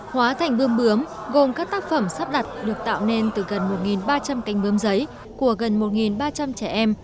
hóa thành bướm bướm gồm các tác phẩm sắp đặt được tạo nên từ gần một ba trăm linh cánh bướm giấy của gần một ba trăm linh trẻ em